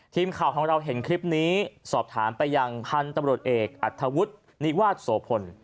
ทีมข่าวของเราเห็นคลิปนี้สอบถามไปยังพันธุ์ตำรวจเอกอัธวุฒินิวาสโสพล